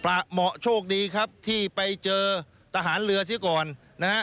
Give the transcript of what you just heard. ประเหมาะโชคดีครับที่ไปเจอทหารเรือซิก่อน